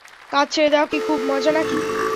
কাজ ছেড়ে দেওয়া কী খুব মজা নাকি?